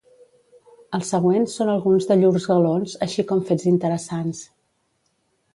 Els següents són alguns de llurs galons així com fets interessants.